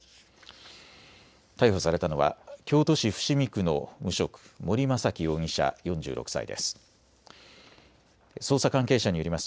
逮捕されたのは京都市伏見区の無職、森雅紀容疑者４６歳です。